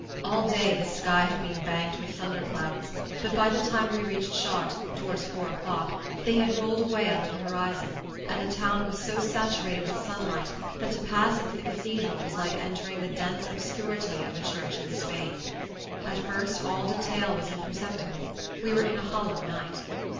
All day the sky had been banked with thunder clouds, but by the time we reached Chartres, toward four o'clock, they had rolled away under the horizon, and the town was so saturated with sunlight that to pass into the cathedral was like entering the dense obscurity of a church in Spain. At first all detail was imperceptible; we were in a hollow night.